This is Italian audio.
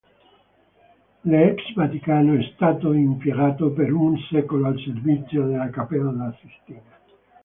L'ex Vaticano è stato impiegato per un secolo al servizio della Cappella Sistina.